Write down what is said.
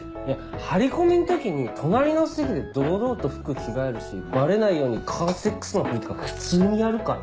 張り込みん時に隣の席で堂々と服着替えるしバレないようにカーセックスのふりとか普通にやるから。